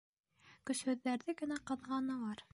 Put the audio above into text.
Көсһөҙҙәрҙе генә ҡыҙғаналар.